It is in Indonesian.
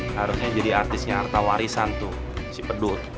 harusnya jadi artisnya arta warisan tuh si pedut